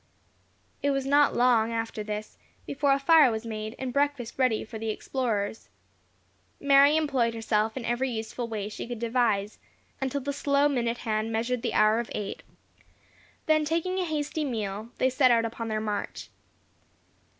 It was not long after this before a fire was made, and breakfast ready for the explorers. Mary employed herself in every useful way she could devise, until the slow minute hand measured the hour of eight; then taking a hasty meal, they set out upon their march.